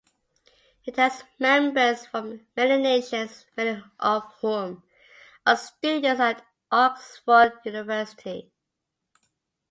It has members from many nations, many of whom are students at Oxford University.